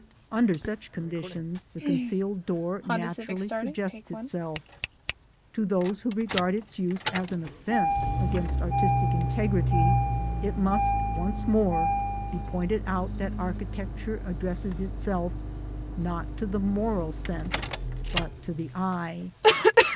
Under such conditions the concealed door naturally suggests itself. To those who regard its use as an offense against artistic integrity, it must once more be pointed out that architecture addresses itself not to the moral sense, but to the eye.